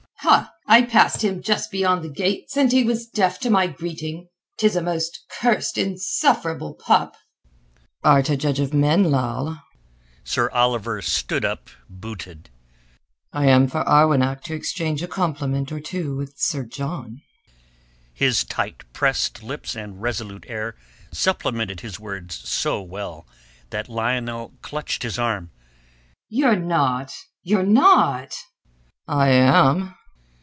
"Ha. I passed him just beyond the gates, and he was deaf to my greeting. 'Tis a most cursed insufferable pup." "Art a judge of men, Lal." Sir Oliver stood up booted. "I am for Arwenack to exchange a compliment or two with Sir John." His tight pressed lips and resolute air supplemented his words so well that Lionel clutched his arm. "You're not... you're not...?" "I am."